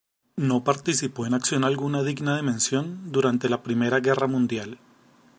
No participó en acción alguna digna de mención durante la Primera Guerra Mundial.